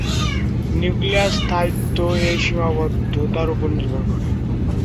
Nuclear স্থায়িত্ব এই সীমাবদ্ধতার উপর নির্ভর করে।